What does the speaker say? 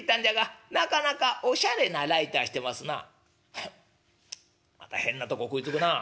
「はまた変なとこ食いつくな。